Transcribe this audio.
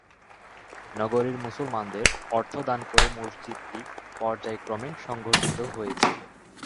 নগরীর মুসলমানদের অর্থ দান করে মসজিদটি পর্যায়ক্রমে সংঘটিত হয়েছিল।